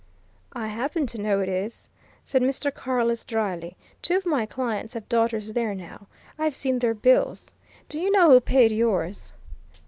"I happen to know it is," said Mr. Carless dryly. "Two of my clients have daughters there, now. I've seen their bills! Do you know who paid yours?"